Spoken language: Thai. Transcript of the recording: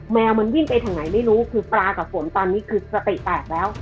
แมวมันวิ่งไปทางไหนไม่รู้คือปลากับฝนตอนนี้คือสติแตกแล้ว